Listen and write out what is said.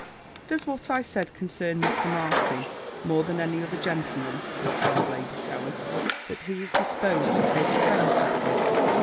"Does what I said concern Mr. Martin more than any other gentleman," returned Lady Towers, "that he is disposed to take offence at it?"